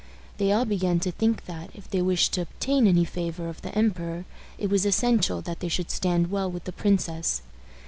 They all began to think that, if they wished to obtain any favor of the emperor, it was essential that they should stand well with the princess.